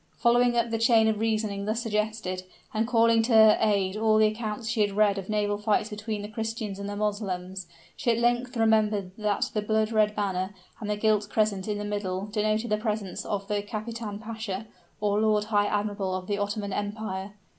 Following up the chain of reasoning thus suggested, and calling to her aid all the accounts she had read of naval fights between the Christians and the Moslems, she at length remembered that the blood red banner, with the gilt crescent in the middle, denoted the presence of the Kapitan Pasha, or Lord High Admiral of the Ottoman Empire.